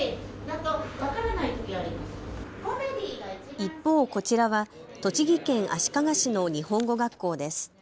一方、こちらは栃木県足利市の日本語学校です。